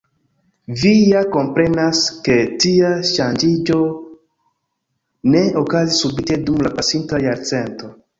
Vi ja komprenas, ke tia ŝanĝiĝo ne okazis subite dum la pasinta jarcento.